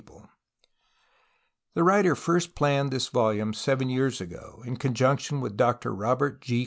The writer first planned this volume seven years ago, in conjunction with Doctor Robert G.